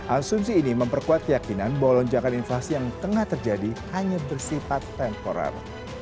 asumsi ini memperkuat keyakinan bahwa lonjakan inflasi yang tengah terjadi hanya bersifat temporer